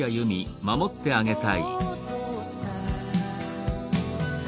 「守ってあげたい」